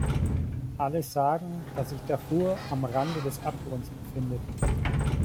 Alle sagen, dass sich Darfur am Rande des Abgrunds befindet.